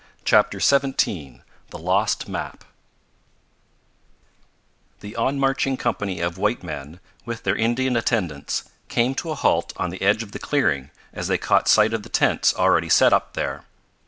CHAPTER XVII THE LOST MAP The on marching company of white men, with their Indian attendants, came to a halt on the edge of the clearing as they caught sight of the tents already set up there.